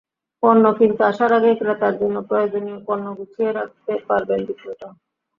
পণ্য কিনতে আসার আগেই ক্রেতার জন্য প্রয়োজনীয় পণ্য গুছিয়ে রাখতে পারবেন বিক্রেতা।